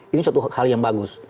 ini satu hal yang bagus